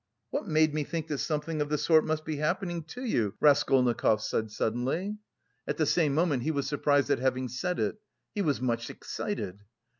"What made me think that something of the sort must be happening to you?" Raskolnikov said suddenly. At the same moment he was surprised at having said it. He was much excited.